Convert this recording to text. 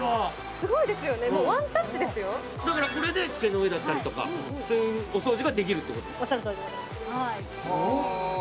すごいですよねもうワンタッチですよだからこれで机の上だったりとかそういうお掃除ができるってことおっしゃるとおりでございます